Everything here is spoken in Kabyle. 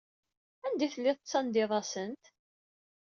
Anda ay telliḍ tettandiḍ-asent?